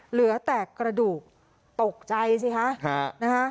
เหลือแต่กระดูกตกใจสิคะนะฮะ